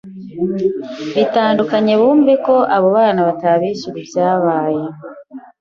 bitandukanye bumve ko abo bana batabishyura ibyabaye,